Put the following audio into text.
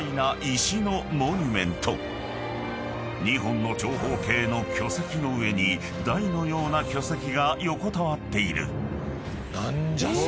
［２本の長方形の巨石の上に台のような巨石が横たわっている］